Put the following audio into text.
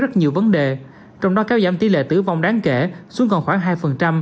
rất nhiều vấn đề trong đó kéo giảm tỷ lệ tử vong đáng kể xuống còn khoảng hai